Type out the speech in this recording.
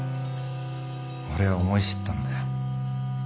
俺は思い知ったんだよ。